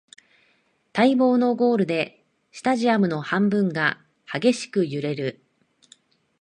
待望のゴールでスタジアムの半分が激しく揺れる